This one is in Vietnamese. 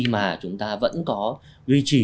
mà chúng ta vẫn có duy trì